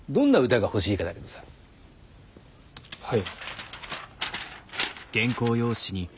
はい。